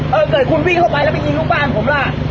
เออเกิดคุณวิ่งเข้าไปแล้วไปยิงลูกบ้านผมล่ะ